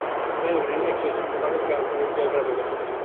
বেহায়াগিরির একশেষ, বাগান থেকে আরম্ভ করে জেলখানা পর্যন্ত।